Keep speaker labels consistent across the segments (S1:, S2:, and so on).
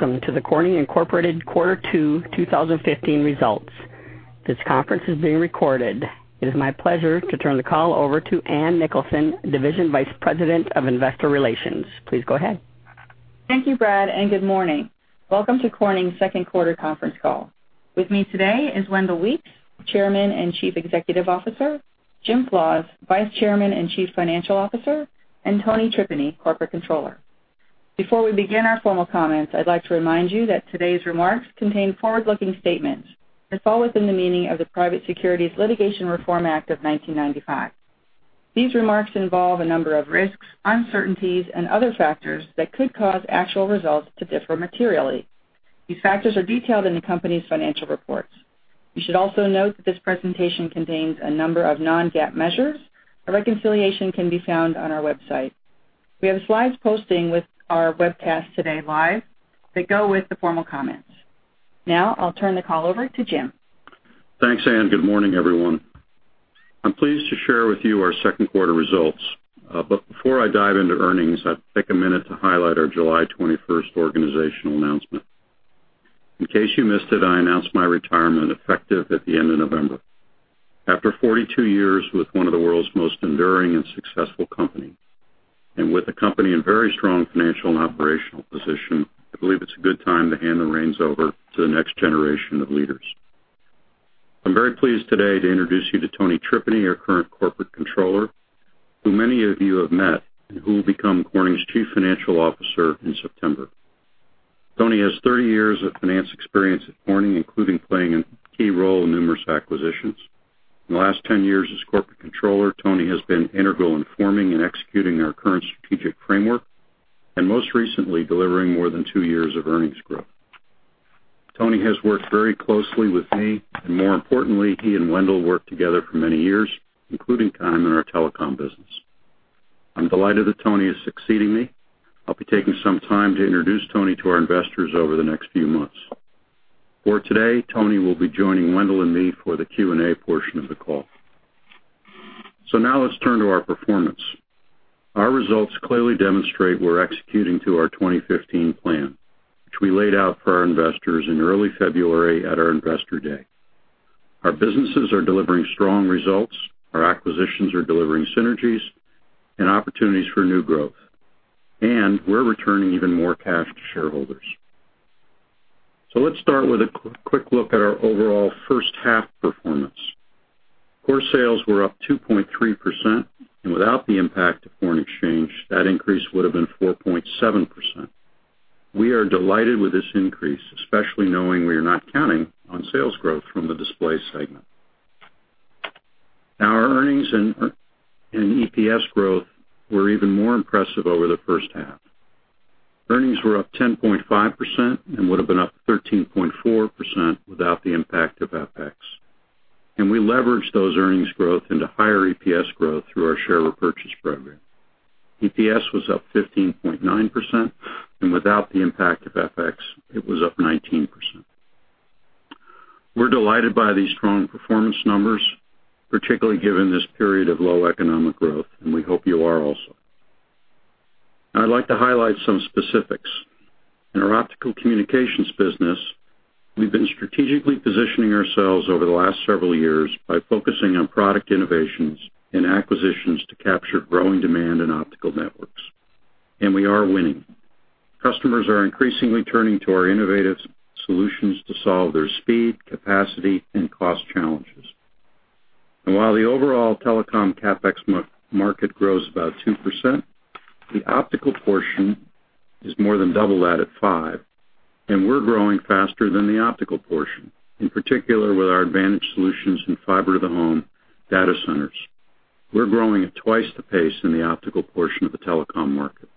S1: Welcome to the Corning Incorporated Quarter Two 2015 Results. This conference is being recorded. It is my pleasure to turn the call over to Ann Nicholson, Division Vice President of Investor Relations. Please go ahead.
S2: Thank you, Brad, and good morning. Welcome to Corning's second quarter conference call. With me today is Wendell Weeks, Chairman and Chief Executive Officer, James Flaws, Vice Chairman and Chief Financial Officer, and Tony Tripeny, Corporate Controller. Before we begin our formal comments, I'd like to remind you that today's remarks contain forward-looking statements that fall within the meaning of the Private Securities Litigation Reform Act of 1995. These remarks involve a number of risks, uncertainties, and other factors that could cause actual results to differ materially. These factors are detailed in the company's financial reports. You should also note that this presentation contains a number of non-GAAP measures. A reconciliation can be found on our website. We have a slides posting with our webcast today live that go with the formal comments. I'll turn the call over to Jim.
S3: Thanks, Ann. Good morning, everyone. I'm pleased to share with you our second quarter results. Before I dive into earnings, I'd take a minute to highlight our July 21st organizational announcement. In case you missed it, I announced my retirement effective at the end of November. After 42 years with one of the world's most enduring and successful companies, and with the company in very strong financial and operational position, I believe it's a good time to hand the reins over to the next generation of leaders. I'm very pleased today to introduce you to Tony Tripeny, our current Corporate Controller, who many of you have met, and who will become Corning's Chief Financial Officer in September. Tony has 30 years of finance experience at Corning, including playing a key role in numerous acquisitions. In the last 10 years as Corporate Controller, Tony has been integral in forming and executing our current strategic framework, and most recently, delivering more than two years of earnings growth. Tony has worked very closely with me, and more importantly, he and Wendell worked together for many years, including time in our telecom business. I'm delighted that Tony is succeeding me. I'll be taking some time to introduce Tony to our investors over the next few months. For today, Tony will be joining Wendell and me for the Q&A portion of the call. Let's turn to our performance. Our results clearly demonstrate we're executing to our 2015 plan, which we laid out for our investors in early February at our investor day. Our businesses are delivering strong results. Our acquisitions are delivering synergies and opportunities for new growth. We're returning even more cash to shareholders. Let's start with a quick look at our overall first half performance. Core sales were up 2.3%, and without the impact of foreign exchange, that increase would have been 4.7%. We are delighted with this increase, especially knowing we are not counting on sales growth from the display segment. Our earnings and EPS growth were even more impressive over the first half. Earnings were up 10.5% and would have been up 13.4% without the impact of FX. We leveraged those earnings growth into higher EPS growth through our share repurchase program. EPS was up 15.9%, and without the impact of FX, it was up 19%. We're delighted by these strong performance numbers, particularly given this period of low economic growth. We hope you are also. I'd like to highlight some specifics. In our Optical Communications business, we've been strategically positioning ourselves over the last several years by focusing on product innovations and acquisitions to capture growing demand in optical networks. We are winning. Customers are increasingly turning to our innovative solutions to solve their speed, capacity, and cost challenges. While the overall telecom CapEx market grows about 2%, the optical portion is more than double that at 5%, and we're growing faster than the optical portion, in particular with our advantage solutions in fiber to the home data centers. We're growing at twice the pace in the optical portion of the telecom market.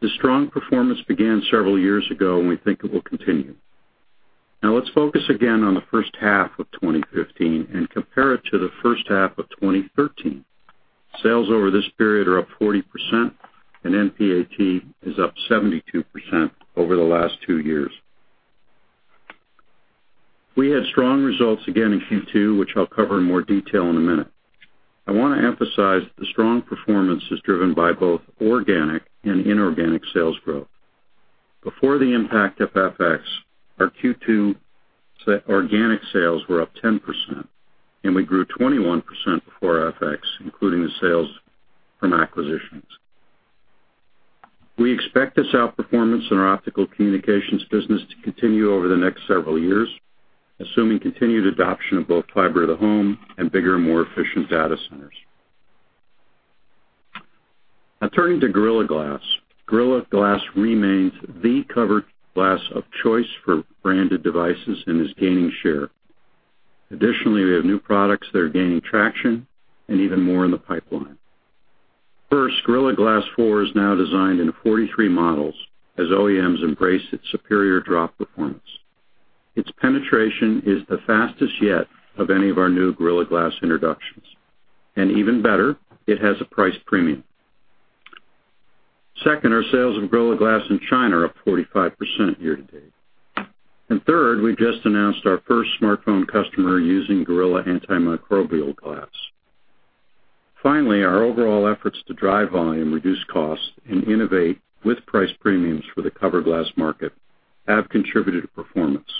S3: The strong performance began several years ago, and we think it will continue. Let's focus again on the first half of 2015 and compare it to the first half of 2013. Sales over this period are up 40%, and NPAT is up 72% over the last two years. We had strong results again in Q2, which I'll cover in more detail in a minute. I want to emphasize the strong performance is driven by both organic and inorganic sales growth. Before the impact of FX, our Q2 organic sales were up 10%, and we grew 21% before FX, including the sales from acquisitions. We expect this outperformance in our Optical Communications business to continue over the next several years, assuming continued adoption of both fiber to the home and bigger and more efficient data centers. Turning to Gorilla Glass. Gorilla Glass remains the cover glass of choice for branded devices and is gaining share. Additionally, we have new products that are gaining traction and even more in the pipeline. First, Gorilla Glass 4 is now designed in 43 models as OEMs embrace its superior drop performance. Its penetration is the fastest yet of any of our new Gorilla Glass introductions. Even better, it has a price premium. Second, our sales of Gorilla Glass in China are up 45% year to date. Third, we've just announced our first smartphone customer using Antimicrobial Corning Gorilla Glass. Finally, our overall efforts to drive volume, reduce costs, and innovate with price premiums for the cover glass market have contributed to performance.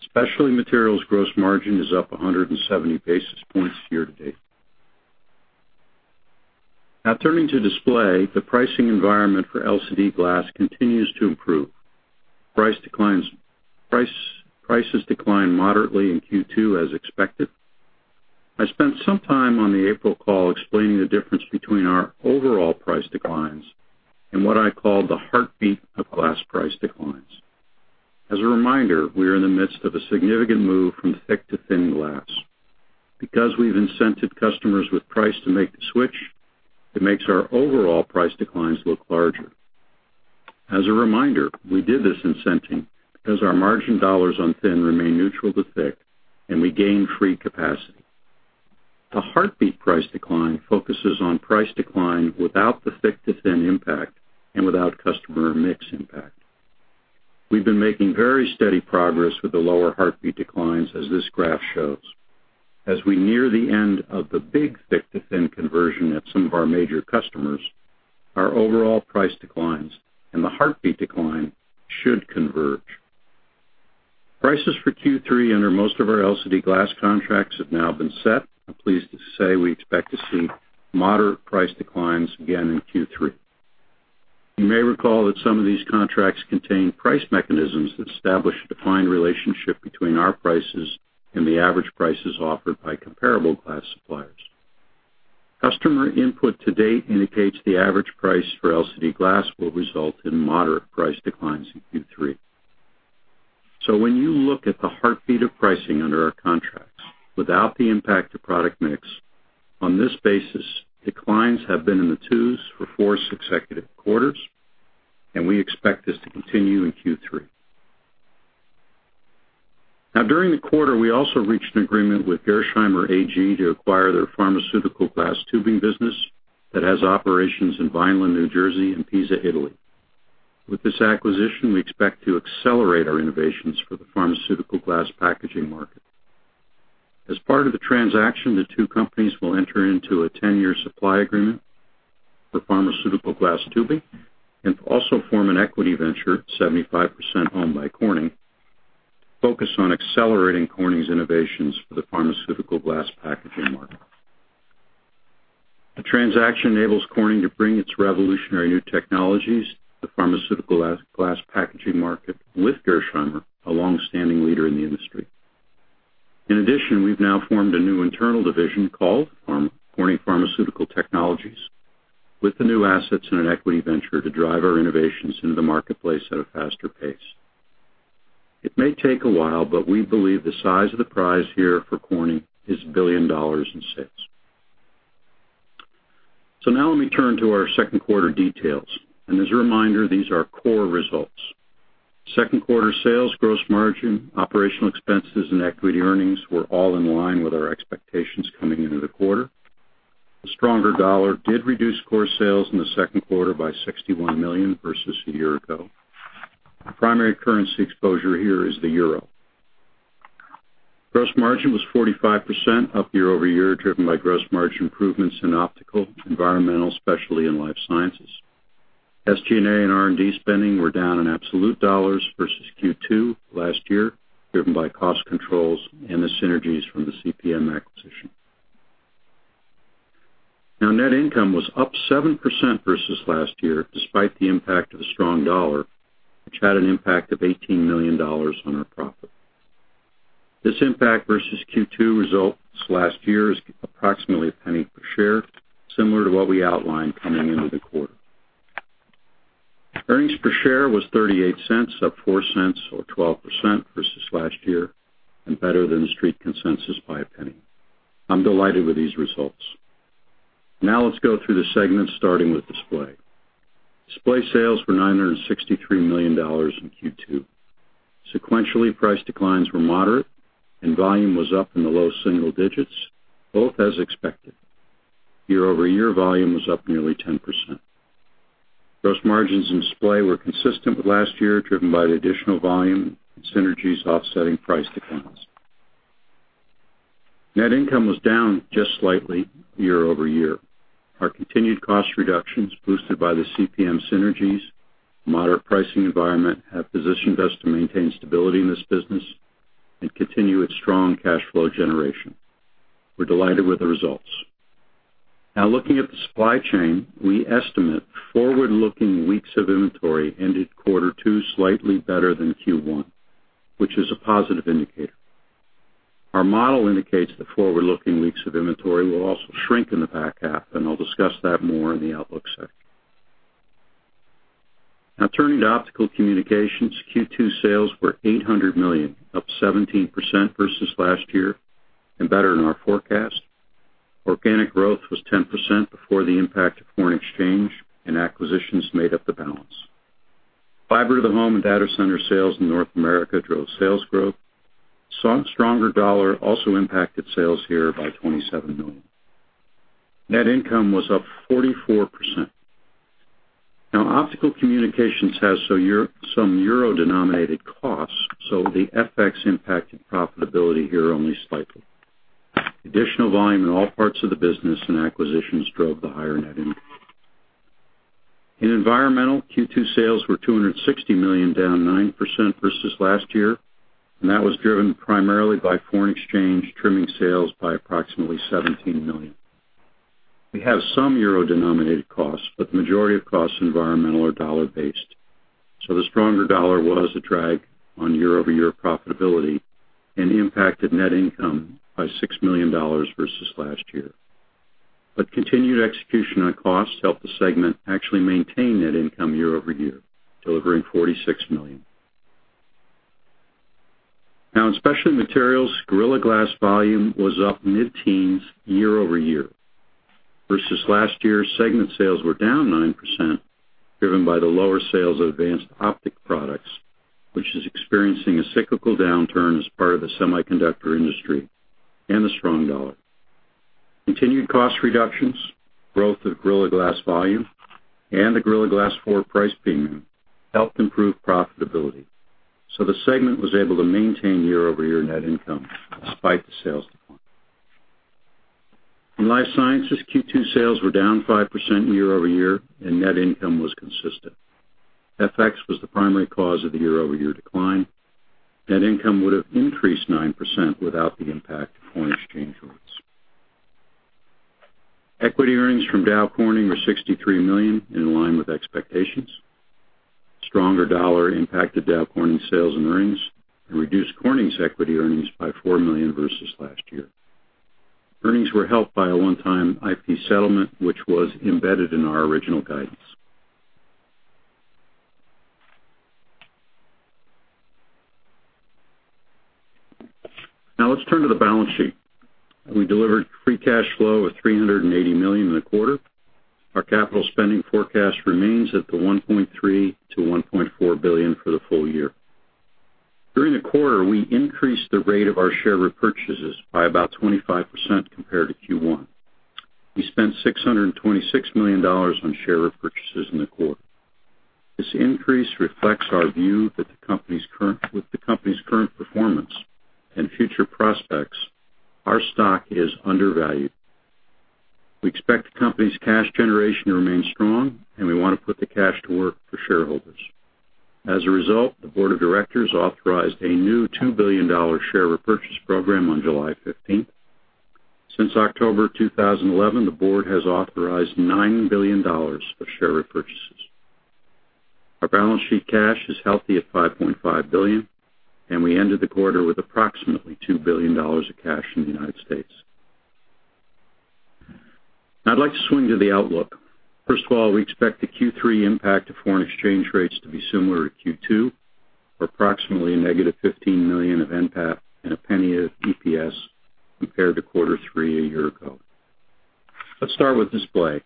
S3: Specialty Materials gross margin is up 170 basis points year-to-date. Turning to display, the pricing environment for LCD glass continues to improve. Prices declined moderately in Q2 as expected. I spent some time on the April call explaining the difference between our overall price declines and what I call the heartbeat of glass price declines. As a reminder, we are in the midst of a significant move from thick to thin glass. Because we've incented customers with price to make the switch, it makes our overall price declines look larger. As a reminder, we did this incenting because our margin dollars on thin remain neutral to thick, and we gain free capacity. The heartbeat price decline focuses on price decline without the thick-to-thin impact and without customer mix impact. We've been making very steady progress with the lower heartbeat declines, as this graph shows. As we near the end of the big thick-to-thin conversion at some of our major customers, our overall price declines and the heartbeat decline should converge. Prices for Q3 under most of our LCD glass contracts have now been set. I'm pleased to say we expect to see moderate price declines again in Q3. You may recall that some of these contracts contain price mechanisms that establish a defined relationship between our prices and the average prices offered by comparable glass suppliers. Customer input to date indicates the average price for LCD glass will result in moderate price declines in Q3. When you look at the heartbeat of pricing under our contracts without the impact of product mix, on this basis, declines have been in the twos for four successive quarters, and we expect this to continue in Q3. During the quarter, we also reached an agreement with Gerresheimer AG to acquire their pharmaceutical glass tubing business that has operations in Vineland, New Jersey, and Pisa, Italy. With this acquisition, we expect to accelerate our innovations for the pharmaceutical glass packaging market. As part of the transaction, the two companies will enter into a 10-year supply agreement for pharmaceutical glass tubing and also form an equity venture, 75% owned by Corning, focused on accelerating Corning's innovations for the pharmaceutical glass packaging market. The transaction enables Corning to bring its revolutionary new technologies to the pharmaceutical glass packaging market with Gerresheimer, a long-standing leader in the industry. In addition, we've now formed a new internal division called Corning Pharmaceutical Technologies with the new assets in an equity venture to drive our innovations into the marketplace at a faster pace. It may take a while, but we believe the size of the prize here for Corning is $1 billion in sales. Let me turn to our second quarter details. As a reminder, these are core results. Second quarter sales, gross margin, operational expenses, and equity earnings were all in line with our expectations coming into the quarter. The stronger dollar did reduce core sales in the second quarter by $61 million versus a year ago. The primary currency exposure here is the euro. Gross margin was 45% up year-over-year, driven by gross margin improvements in Optical, Environmental, Specialty, and Life Sciences. SG&A and R&D spending were down in absolute dollars versus Q2 last year, driven by cost controls and the synergies from the CPM acquisition. Net income was up 7% versus last year, despite the impact of the strong dollar, which had an impact of $18 million on our profit. This impact versus Q2 results last year is approximately $0.01 per share, similar to what we outlined coming into the quarter. Earnings per share was $0.38, up $0.04 or 12% versus last year, and better than the Street consensus by $0.01. I'm delighted with these results. Let's go through the segments, starting with Display. Display sales were $963 million in Q2. Sequentially, price declines were moderate and volume was up in the low single digits, both as expected. Year-over-year volume was up nearly 10%. Gross margins in Display were consistent with last year, driven by the additional volume and synergies offsetting price declines. Net income was down just slightly year-over-year. Our continued cost reductions, boosted by the CPM synergies, moderate pricing environment, have positioned us to maintain stability in this business and continue its strong cash flow generation. We're delighted with the results. Looking at the supply chain, we estimate forward-looking weeks of inventory ended Q2 slightly better than Q1, which is a positive indicator. Our model indicates the forward-looking weeks of inventory will also shrink in the back half, and I'll discuss that more in the outlook section. Turning to Optical Communications, Q2 sales were $800 million, up 17% versus last year and better than our forecast. Organic growth was 10% before the impact of foreign exchange and acquisitions made up the balance. Fiber to the home and data center sales in North America drove sales growth. Stronger dollar also impacted sales here by $27 million. Net income was up 44%. Optical Communications has some EUR-denominated costs, so the FX impacted profitability here only slightly. Additional volume in all parts of the business and acquisitions drove the higher net income. Environmental Q2 sales were $260 million, down 9% versus last year, and that was driven primarily by foreign exchange trimming sales by approximately $17 million. We have some EUR-denominated costs, but the majority of costs in Environmental are dollar-based. So the stronger dollar was a drag on year-over-year profitability and impacted net income by $6 million versus last year. But continued execution on costs helped the segment actually maintain net income year-over-year, delivering $46 million. In Specialty Materials, Gorilla Glass volume was up mid-teens year-over-year. Versus last year, segment sales were down 9%, driven by the lower sales of Advanced Optic products, which is experiencing a cyclical downturn as part of the semiconductor industry and a strong dollar. Continued cost reductions, growth of Gorilla Glass volume, and the Gorilla Glass 4 price premium helped improve profitability. So the segment was able to maintain year-over-year net income despite the sales decline. In Life Sciences, Q2 sales were down 5% year-over-year, and net income was consistent. FX was the primary cause of the year-over-year decline. Net income would have increased 9% without the impact of foreign exchange rates. Equity earnings from Dow Corning were $63 million, in line with expectations. Stronger dollar impacted Dow Corning sales and earnings and reduced Corning's equity earnings by $4 million versus last year. Earnings were helped by a one-time IP settlement, which was embedded in our original guidance. Let's turn to the balance sheet. We delivered free cash flow of $380 million in the quarter. Our capital spending forecast remains at the $1.3 billion-$1.4 billion for the full year. During the quarter, we increased the rate of our share repurchases by about 25% compared to Q1. We spent $626 million on share repurchases in the quarter. This increase reflects our view with the company's current performance and future prospects, our stock is undervalued. We expect the company's cash generation to remain strong, and we want to put the cash to work for shareholders. As a result, the board of directors authorized a new $2 billion share repurchase program on July 15th. Since October 2011, the board has authorized $9 billion for share repurchases. Our balance sheet cash is healthy at $5.5 billion, and we ended the quarter with approximately $2 billion of cash in the U.S. I'd like to swing to the outlook. We expect the Q3 impact of foreign exchange rates to be similar to Q2, or approximately a negative $15 million of NPAT and a $0.01 of EPS compared to quarter three a year ago. We start with Display.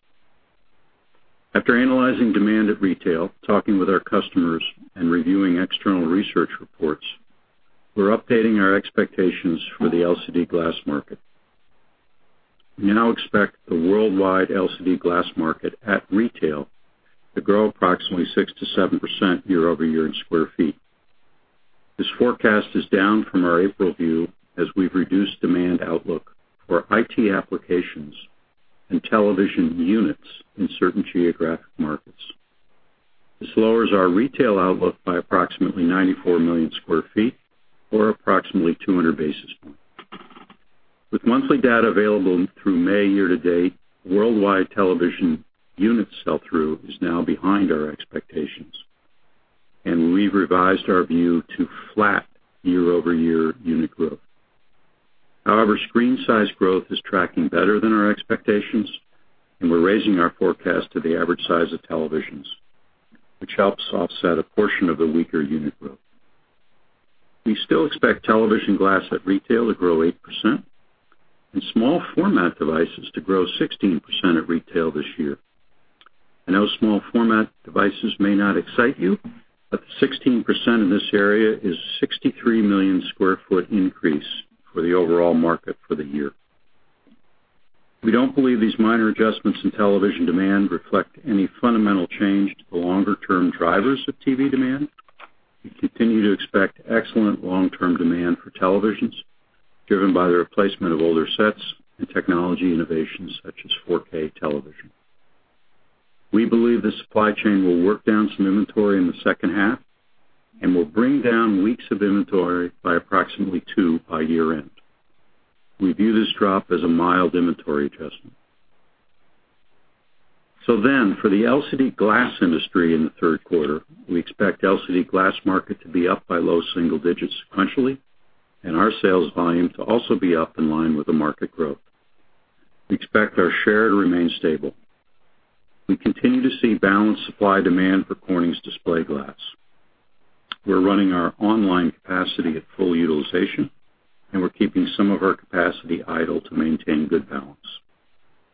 S3: After analyzing demand at retail, talking with our customers and reviewing external research reports, we're updating our expectations for the LCD glass market. We now expect the worldwide LCD glass market at retail to grow approximately 6%-7% year-over-year in sq ft. This forecast is down from our April view, as we've reduced demand outlook for IT applications and television units in certain geographic markets. This lowers our retail outlook by approximately 94 million sq ft or approximately 200 basis points. With monthly data available through May year-to-date, worldwide television unit sell-through is now behind our expectations, and we've revised our view to flat year-over-year unit growth. However, screen size growth is tracking better than our expectations, and we're raising our forecast to the average size of televisions, which helps offset a portion of the weaker unit growth. We still expect television glass at retail to grow 8% and small format devices to grow 16% at retail this year. I know small format devices may not excite you, but the 16% in this area is 63 million sq ft increase for the overall market for the year. We don't believe these minor adjustments in television demand reflect any fundamental change to the longer-term drivers of TV demand. We continue to expect excellent long-term demand for televisions, driven by the replacement of older sets and technology innovations such as 4K television. We believe the supply chain will work down some inventory in the second half and will bring down weeks of inventory by approximately 2 by year-end. We view this drop as a mild inventory adjustment. For the LCD glass industry in the third quarter, we expect LCD glass market to be up by low single digits sequentially, and our sales volume to also be up in line with the market growth. We expect our share to remain stable. We continue to see balanced supply-demand for Corning's Display glass. We're running our online capacity at full utilization, and we're keeping some of our capacity idle to maintain good balance.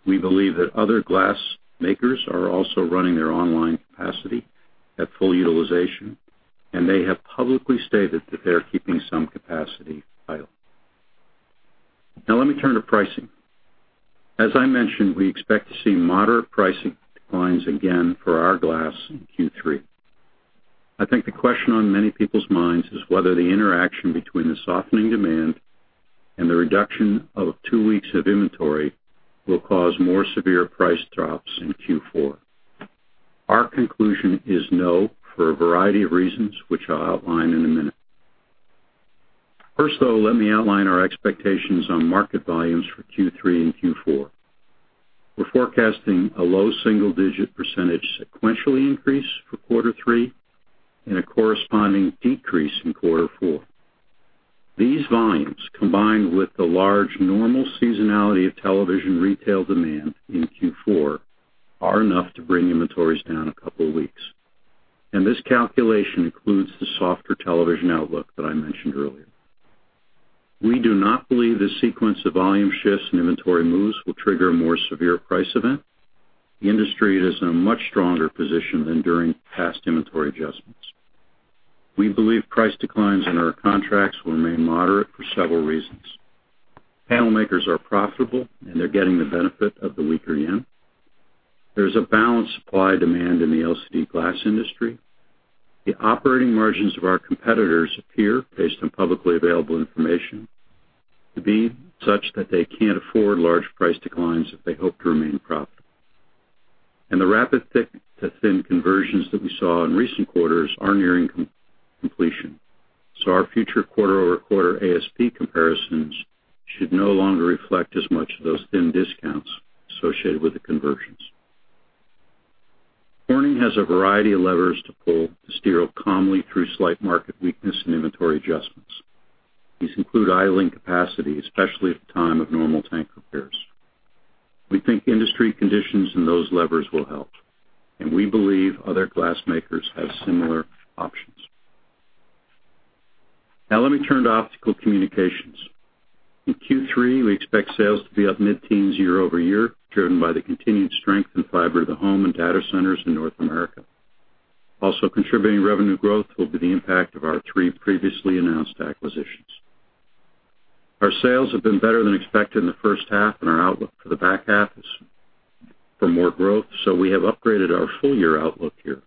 S3: We believe that other glass makers are also running their online capacity at full utilization, and they have publicly stated that they are keeping some capacity idle. Let me turn to pricing. As I mentioned, we expect to see moderate pricing declines again for our glass in Q3. I think the question on many people's minds is whether the interaction between the softening demand and the reduction of 2 weeks of inventory will cause more severe price drops in Q4. Our conclusion is no for a variety of reasons, which I'll outline in a minute. Let me outline our expectations on market volumes for Q3 and Q4. We're forecasting a low single-digit percentage sequentially increase for quarter three and a corresponding decrease in quarter four. These volumes, combined with the large normal seasonality of television retail demand in Q4, are enough to bring inventories down a couple of weeks. This calculation includes the softer television outlook that I mentioned earlier. We do not believe this sequence of volume shifts and inventory moves will trigger a more severe price event. The industry is in a much stronger position than during past inventory adjustments. We believe price declines in our contracts will remain moderate for several reasons. Panel makers are profitable, and they're getting the benefit of the weaker yen. There's a balanced supply-demand in the LCD glass industry. The operating margins of our competitors appear, based on publicly available information, to be such that they can't afford large price declines if they hope to remain profitable. The rapid thick-to-thin conversions that we saw in recent quarters are nearing completion. Our future quarter-over-quarter ASP comparisons should no longer reflect as much of those thin discounts associated with the conversions. Corning has a variety of levers to pull to steer calmly through slight market weakness and inventory adjustments. These include idling capacity, especially at the time of normal tank repairs. We think industry conditions and those levers will help, and we believe other glass makers have similar options. Now let me turn to Optical Communications. In Q3, we expect sales to be up mid-teens year-over-year, driven by the continued strength in fiber to the home and data centers in North America. Also contributing revenue growth will be the impact of our three previously announced acquisitions. Our sales have been better than expected in the first half, and our outlook for the back half is for more growth, so we have upgraded our full-year outlook here.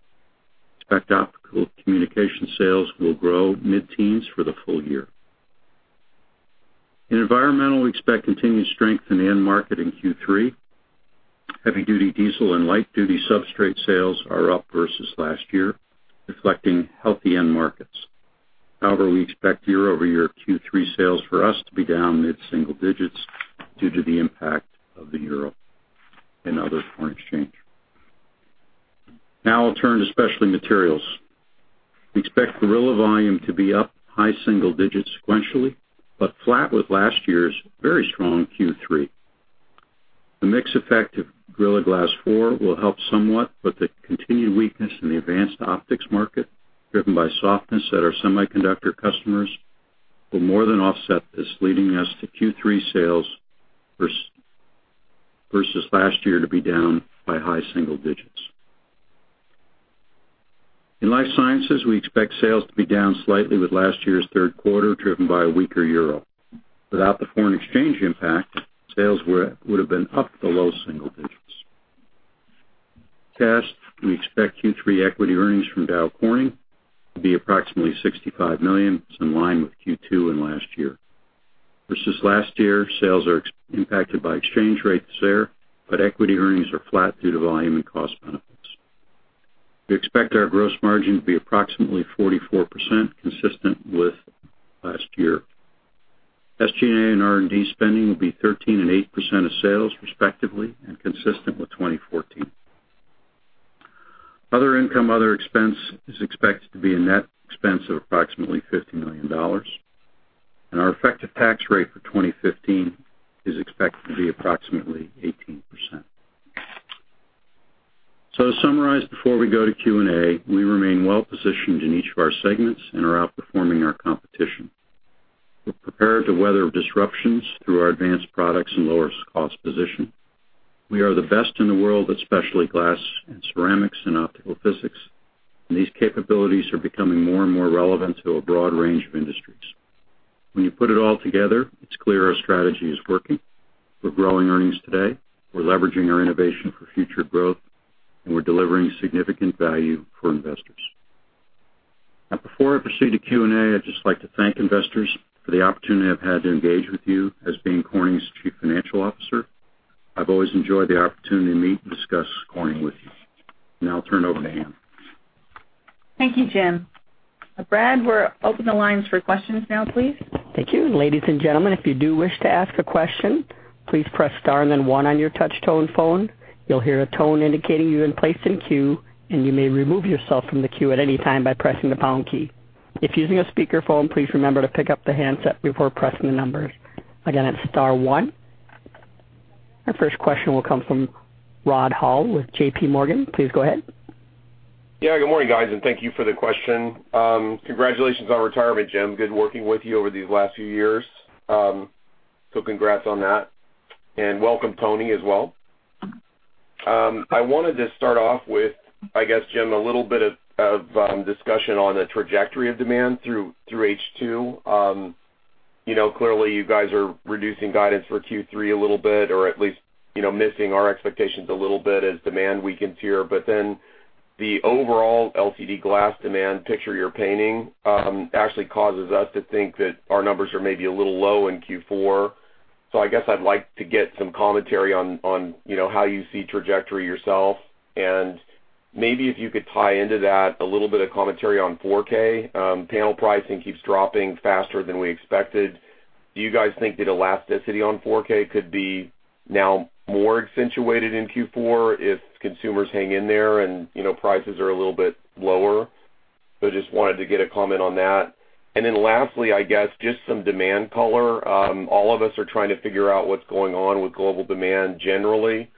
S3: We expect Optical Communications sales will grow mid-teens for the full year. In Environmental, we expect continued strength in the end market in Q3. Heavy-duty diesel and light-duty substrate sales are up versus last year, reflecting healthy end markets. However, we expect year-over-year Q3 sales for us to be down mid-single digits due to the impact of the euro and other foreign exchange. Now I'll turn to Specialty Materials. We expect Gorilla volume to be up high single digits sequentially, but flat with last year's very strong Q3. The mix effect of Corning Gorilla Glass 4 will help somewhat, but the continued weakness in the Advanced Optics market, driven by softness at our semiconductor customers, will more than offset this, leading us to Q3 sales versus last year to be down by high single digits. In Life Sciences, we expect sales to be down slightly with last year's third quarter, driven by a weaker euro. Without the foreign exchange impact, sales would have been up the low single digits. We expect Q3 equity earnings from Dow Corning to be approximately $65 million, which is in line with Q2 and last year. Versus last year, sales are impacted by exchange rates there, but equity earnings are flat due to volume and cost benefits. We expect our gross margin to be approximately 44%, consistent with last year. SG&A and R&D spending will be 13% and 8% of sales, respectively, and consistent with 2014. Other income, other expense is expected to be a net expense of approximately $50 million, and our effective tax rate for 2015 is expected to be approximately 18%. To summarize before we go to Q&A, we remain well-positioned in each of our segments and are outperforming our competition. We're prepared to weather disruptions through our advanced products and lower cost position. We are the best in the world at specialty glass and ceramics and optical physics, and these capabilities are becoming more and more relevant to a broad range of industries. When you put it all together, it's clear our strategy is working. We're growing earnings today. We're leveraging our innovation for future growth, and we're delivering significant value for investors. Before I proceed to Q&A, I'd just like to thank investors for the opportunity I've had to engage with you as being Corning's Chief Financial Officer. I've always enjoyed the opportunity to meet and discuss Corning with you. I'll turn it over to Ann.
S2: Thank you, Jim. Brad, we'll open the lines for questions now, please.
S1: Thank you. Ladies and gentlemen, if you do wish to ask a question, please press star and then one on your touch-tone phone. You'll hear a tone indicating you've been placed in queue, and you may remove yourself from the queue at any time by pressing the pound key. If using a speakerphone, please remember to pick up the handset before pressing the numbers. Again, it's star one. Our first question will come from Rod Hall with JPMorgan. Please go ahead.
S4: Good morning, guys, and thank you for the question. Congratulations on retirement, Jim. Good working with you over these last few years. Congrats on that, and welcome Tony as well. I wanted to start off with, I guess, Jim, a little bit of discussion on the trajectory of demand through H2. Clearly, you guys are reducing guidance for Q3 a little bit, or at least, missing our expectations a little bit as demand weakens here. The overall LCD glass demand picture you're painting actually causes us to think that our numbers are maybe a little low in Q4. I guess I'd like to get some commentary on how you see trajectory yourself, and maybe if you could tie into that a little bit of commentary on 4K. Panel pricing keeps dropping faster than we expected. Do you guys think that elasticity on 4K could be now more accentuated in Q4 if consumers hang in there and prices are a little bit lower? Just wanted to get a comment on that. Lastly, I guess, just some demand color. All of us are trying to figure out what's going on with global demand generally.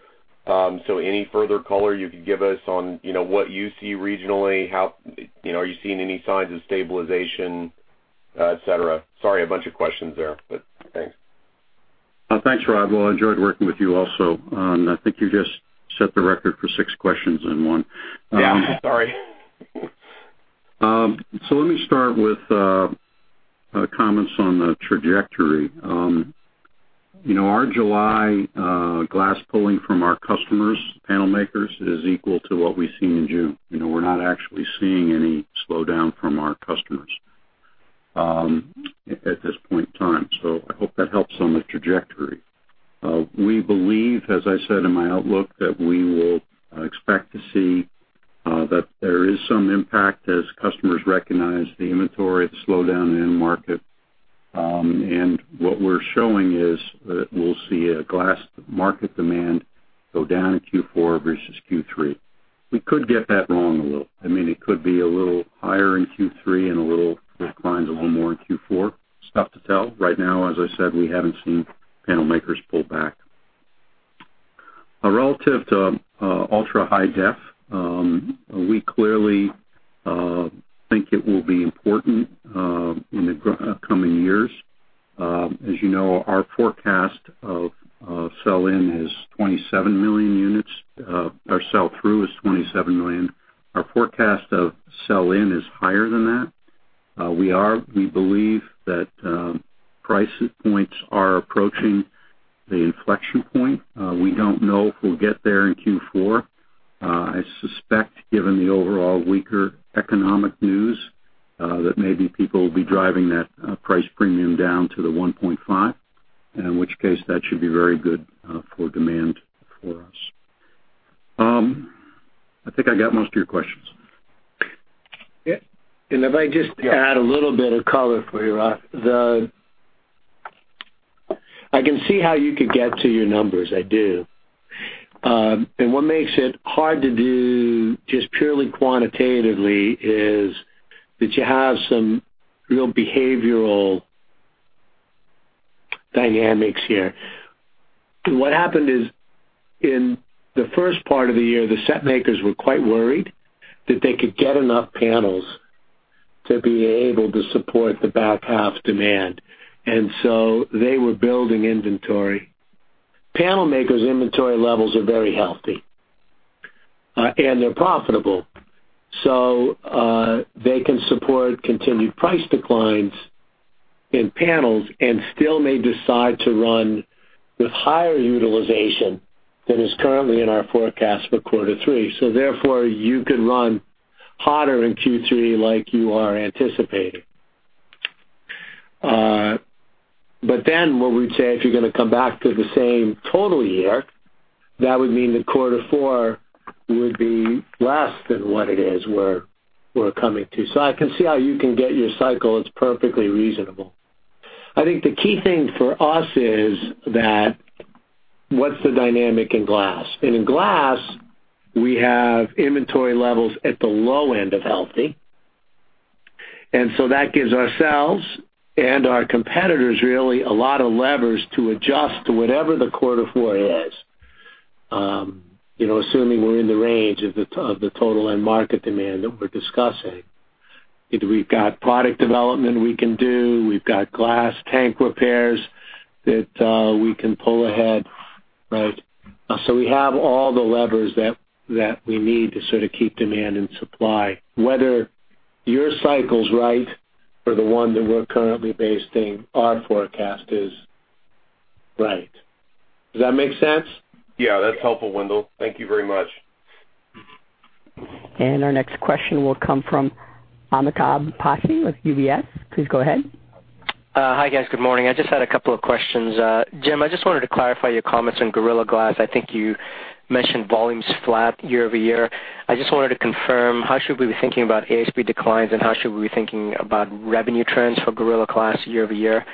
S4: Any further color you could give us on what you see regionally, are you seeing any signs of stabilization, et cetera? Sorry, a bunch of questions there, thanks.
S3: Thanks, Rod. Well, I enjoyed working with you also. I think you just set the record for six questions in one.
S4: Yeah. I'm sorry.
S3: Let me start with comments on the trajectory. Our July glass pulling from our customers, panel makers, is equal to what we've seen in June. We're not actually seeing any slowdown from our customers at this point in time. I hope that helps on the trajectory. We believe, as I said in my outlook, that we will expect to see that there is some impact as customers recognize the inventory, the slowdown in the end market. What we're showing is that we'll see a glass market demand go down in Q4 versus Q3. We could get that wrong a little. It could be a little higher in Q3 and decline a little more in Q4. It's tough to tell. Right now, as I said, we haven't seen panel makers pull back. Relative to ultra high def, we clearly think it will be important in the coming years. As you know, our forecast of sell-in is 27 million units. Our sell-through is 27 million. Our forecast of sell-in is higher than that. We believe that price points are approaching the inflection point. We don't know if we'll get there in Q4. I suspect, given the overall weaker economic news, that maybe people will be driving that price premium down to the 1.5, in which case that should be very good for demand for us. I think I got most of your questions.
S5: Yeah. If I just add a little bit of color for you, Rod. I can see how you could get to your numbers. I do. What makes it hard to do just purely quantitatively is that you have some real behavioral dynamics here. What happened is, in the first part of the year, the set makers were quite worried that they could get enough panels to be able to support the back half demand, they were building inventory. Panel makers' inventory levels are very healthy, and they're profitable. They can support continued price declines in panels and still may decide to run with higher utilization than is currently in our forecast for quarter three. Therefore, you could run hotter in Q3 like you are anticipating. What we'd say, if you're going to come back to the same total year, that would mean that quarter four would be less than what it is we're coming to. I can see how you can get your cycle. It's perfectly reasonable. I think the key thing for us is that, what's the dynamic in glass? In glass, we have inventory levels at the low end of healthy, so that gives ourselves and our competitors really a lot of levers to adjust to whatever the quarter four is, assuming we're in the range of the total end market demand that we're discussing. We've got product development we can do. We've got glass tank repairs that we can pull ahead. We have all the levers that we need to sort of keep demand and supply, whether your cycle's right or the one that we're currently basing our forecast is right. Does that make sense?
S4: Yeah, that's helpful, Wendell. Thank you very much.
S1: Our next question will come from Amitabh Passi with UBS. Please go ahead.
S6: Hi, guys. Good morning. I just had a couple of questions. Jim, I just wanted to clarify your comments on Gorilla Glass. I think you mentioned volumes flat year-over-year. I just wanted to confirm, how should we be thinking about ASP declines, and how should we be thinking about revenue trends for Gorilla Glass year-over-year?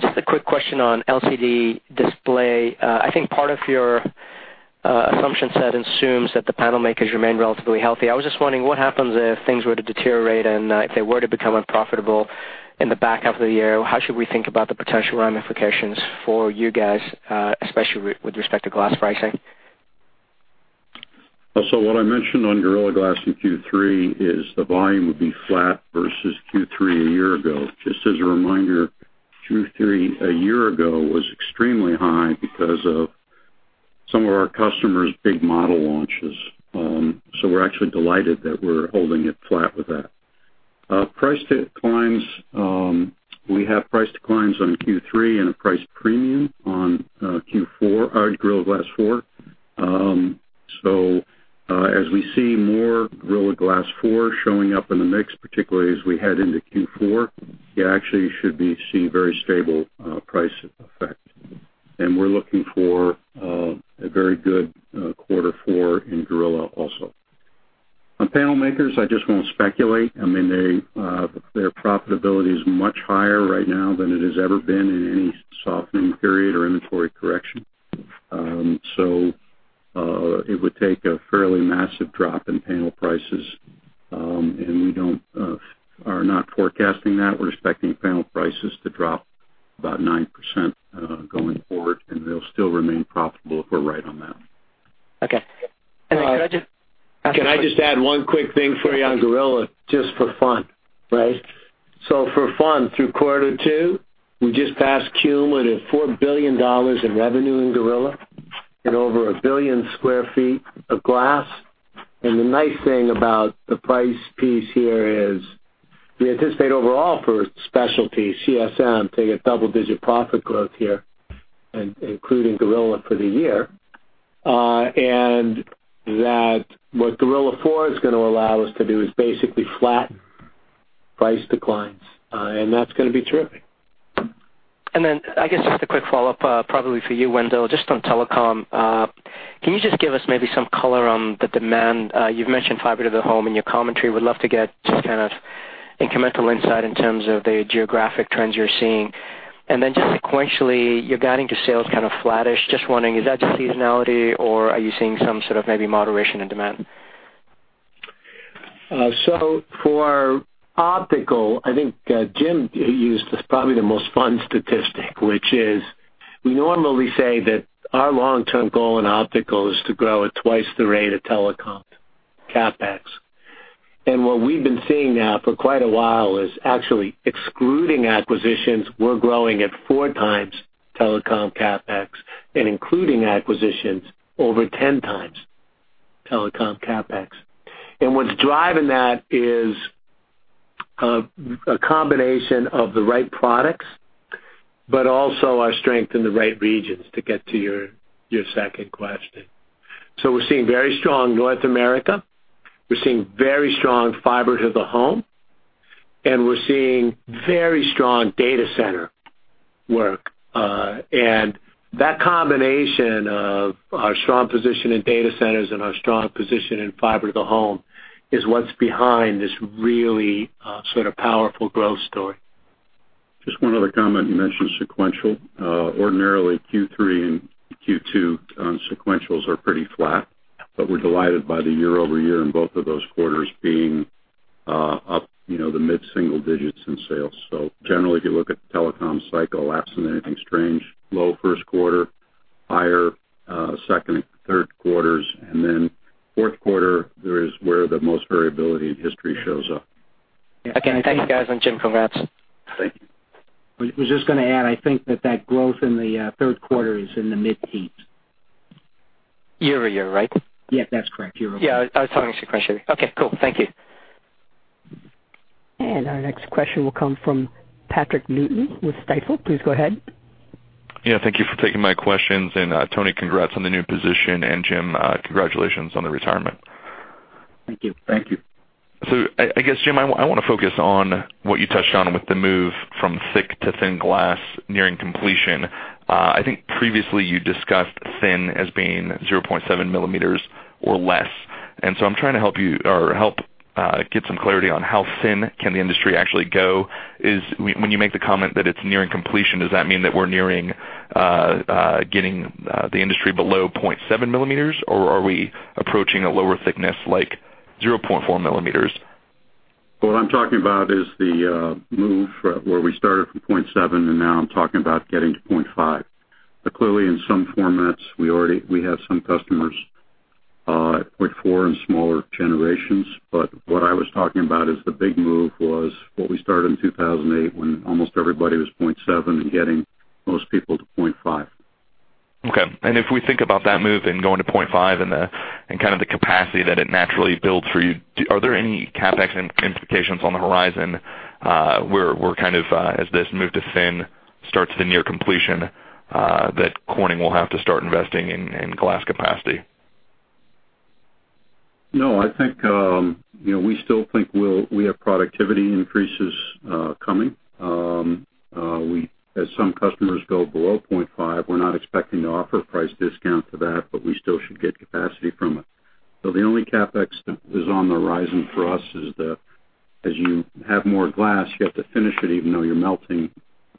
S6: Just a quick question on LCD display. I think part of your assumption set assumes that the panel makers remain relatively healthy. I was just wondering what happens if things were to deteriorate and if they were to become unprofitable in the back half of the year, how should we think about the potential ramifications for you guys, especially with respect to glass pricing?
S3: What I mentioned on Gorilla Glass in Q3 is the volume would be flat versus Q3 a year ago. Just as a reminder, Q3 a year ago was extremely high because of some of our customers' big model launches. We're actually delighted that we're holding it flat with that. Price declines. We have price declines on Q3 and a price premium on Gorilla Glass 4. As we see more Gorilla Glass 4 showing up in the mix, particularly as we head into Q4, you actually should be seeing very stable price effect. We're looking for a very good quarter four in Gorilla also. On panel makers, I just won't speculate. Their profitability is much higher right now than it has ever been in any softening period or inventory correction. It would take a fairly massive drop in panel prices, and we are not forecasting that. We're expecting panel prices to drop about 9% going forward, and they'll still remain profitable if we're right on that.
S6: Okay. Could I just ask a quick-
S5: Can I just add one quick thing for you on Gorilla, just for fun, right? For fun, through quarter two, we just passed cumulative $4 billion in revenue in Gorilla and over 1 billion square feet of glass. The nice thing about the price piece here is we anticipate overall for Specialty CSM to get double-digit profit growth here, including Gorilla for the year. That what Gorilla Four is going to allow us to do is basically flatten price declines, and that's going to be terrific.
S6: I guess just a quick follow-up, probably for you, Wendell, just on telecom. Can you just give us maybe some color on the demand? You've mentioned fiber to the home in your commentary. Would love to get just kind of incremental insight in terms of the geographic trends you're seeing. Just sequentially, you're guiding to sales kind of flattish. Just wondering, is that just seasonality or are you seeing some sort of maybe moderation in demand?
S5: For optical, I think Jim used probably the most fun statistic, which is we normally say that our long-term goal in optical is to grow at 2 times the rate of telecom CapEx. What we've been seeing now for quite a while is actually excluding acquisitions, we're growing at 4 times telecom CapEx, and including acquisitions over 10 times telecom CapEx. What's driving that is a combination of the right products, but also our strength in the right regions to get to your second question. We're seeing very strong North America, we're seeing very strong fiber to the home, and we're seeing very strong data center work. That combination of our strong position in data centers and our strong position in fiber to the home is what's behind this really sort of powerful growth story.
S3: Just one other comment. You mentioned sequential. Ordinarily Q3 and Q2 sequentials are pretty flat, but we're delighted by the year-over-year in both of those quarters being up the mid-single digits in sales. Generally, if you look at the telecom cycle, absent anything strange, low first quarter, higher second and third quarters, then fourth quarter is where the most variability in history shows up.
S6: Again, thank you guys, and Jim, congrats.
S3: Thank you.
S5: I was just going to add, I think that that growth in the third quarter is in the mid-teens.
S6: Year-over-year, right?
S5: Yes, that's correct. Year-over-year.
S6: Yeah, I was talking sequentially. Okay, cool. Thank you.
S1: Our next question will come from Patrick Newton with Stifel. Please go ahead.
S7: Yeah, thank you for taking my questions. Tony, congrats on the new position, and Jim, congratulations on the retirement.
S5: Thank you.
S3: Thank you.
S7: I guess, Jim, I want to focus on what you touched on with the move from thick to thin glass nearing completion. I think previously you discussed thin as being 0.7 millimeters or less. I'm trying to help get some clarity on how thin can the industry actually go. When you make the comment that it's nearing completion, does that mean that we're nearing getting the industry below 0.7 millimeters, or are we approaching a lower thickness, like 0.4 millimeters?
S3: What I'm talking about is the move where we started from 0.7, now I'm talking about getting to 0.5. Clearly, in some formats, we have some customers at 0.4 in smaller generations. What I was talking about is the big move was what we started in 2008 when almost everybody was 0.7 and getting most people to 0.5.
S7: Okay. If we think about that move and going to point five and kind of the capacity that it naturally builds for you, are there any CapEx implications on the horizon where, kind of as this move to thin starts to near completion, that Corning will have to start investing in glass capacity?
S3: No, we still think we have productivity increases coming. As some customers go below point five, we're not expecting to offer a price discount for that, but we still should get capacity from it. The only CapEx that is on the horizon for us is that as you have more glass, you have to finish it, even though your melting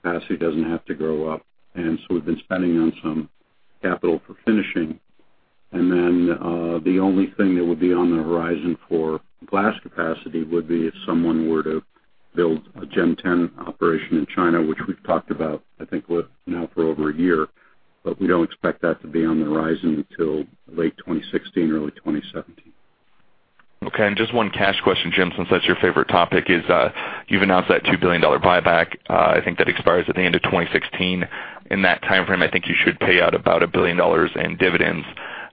S3: capacity doesn't have to go up. We've been spending on some capital for finishing. Then the only thing that would be on the horizon for glass capacity would be if someone were to build a Gen 10 operation in China, which we've talked about, I think now for over a year, but we don't expect that to be on the horizon until late 2016, early 2017.
S7: Okay. Just one cash question, Jim, since that's your favorite topic, is you've announced that $2 billion buyback. I think that expires at the end of 2016. In that timeframe, I think you should pay out about $1 billion in dividends.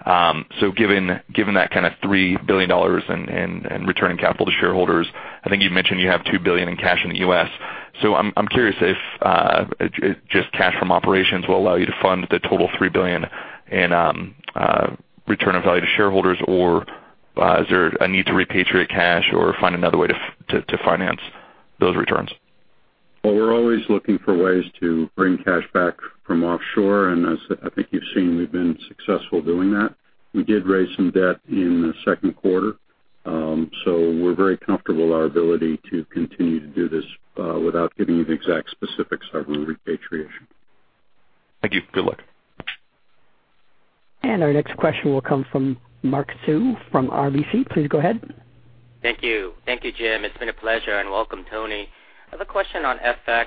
S7: Given that kind of $3 billion in returning capital to shareholders, I think you've mentioned you have $2 billion in cash in the U.S. I'm curious if just cash from operations will allow you to fund the total $3 billion in return of value to shareholders, or is there a need to repatriate cash or find another way to finance those returns?
S3: Well, we're always looking for ways to bring cash back from offshore, as I think you've seen, we've been successful doing that. We did raise some debt in the second quarter. We're very comfortable our ability to continue to do this without giving you the exact specifics of a repatriation.
S7: Thank you. Good luck.
S1: Our next question will come from Mark Hsu from RBC. Please go ahead.
S8: Thank you. Thank you, Jim. It's been a pleasure, and welcome, Tony. I have a question on FX.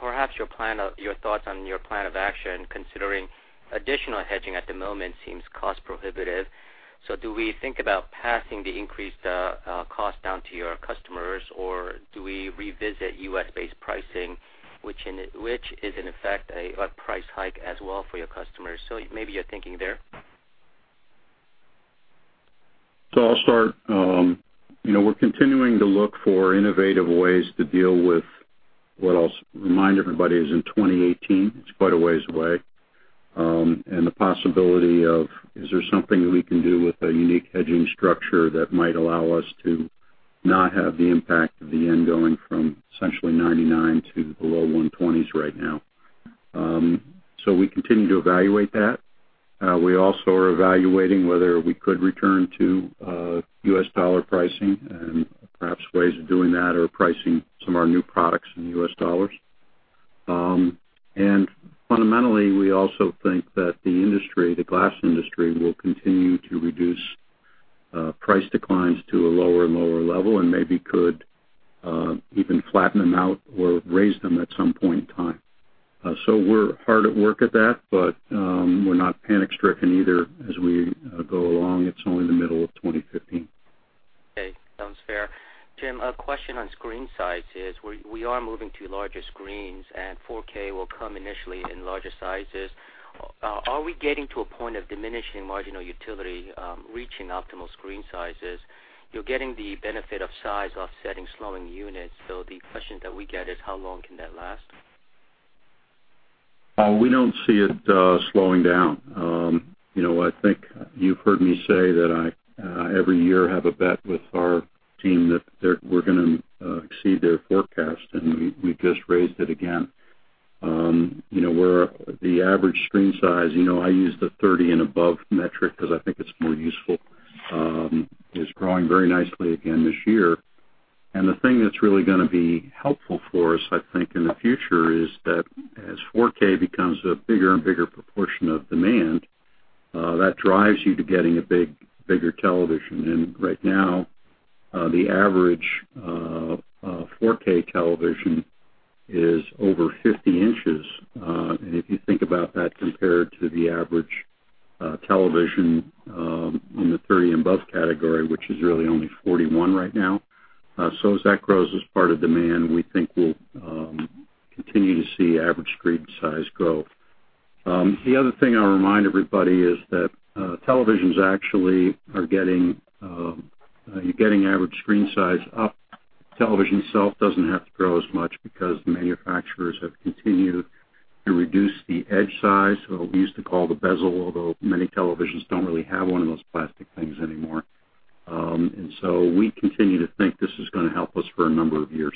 S8: Perhaps your thoughts on your plan of action, considering additional hedging at the moment seems cost prohibitive. Do we think about passing the increased cost down to your customers, or do we revisit U.S.-based pricing, which is in effect a price hike as well for your customers? Maybe your thinking there.
S3: I'll start. We're continuing to look for innovative ways to deal with what I'll remind everybody is in 2018. It's quite a way away. The possibility of, is there something that we can do with a unique hedging structure that might allow us to not have the impact of the yen going from essentially 99 to below 120s right now. We continue to evaluate that. We also are evaluating whether we could return to U.S. dollar pricing and perhaps ways of doing that or pricing some of our new products in U.S. dollars. Fundamentally, we also think that the glass industry will continue to reduce price declines to a lower and lower level and maybe could even flatten them out or raise them at some point in time. We're hard at work at that, but we're not panic-stricken either as we go along. It's only the middle of 2015.
S8: Okay. Sounds fair. Jim, a question on screen sizes. We are moving to larger screens, and 4K will come initially in larger sizes. Are we getting to a point of diminishing marginal utility, reaching optimal screen sizes? You're getting the benefit of size offsetting slowing units. The question that we get is how long can that last?
S3: We don't see it slowing down. I think you've heard me say that I, every year, have a bet with our team that we're going to exceed their forecast, and we just raised it again. The average screen size, I use the 30 and above metric because I think it's more useful, is growing very nicely again this year. The thing that's really going to be helpful for us, I think, in the future is that as 4K becomes a bigger and bigger proportion of demand, that drives you to getting a bigger television. Right now, the average 4K television is over 50 inches. If you think about that compared to the average television in the 30 and above category, which is really only 41 right now. As that grows as part of demand, we think we'll continue to see average screen size grow. The other thing I'll remind everybody is that televisions actually are getting average screen size up. Television itself doesn't have to grow as much because the manufacturers have continued to reduce the edge size, what we used to call the bezel, although many televisions don't really have one of those plastic things anymore. We continue to think this is going to help us for a number of years.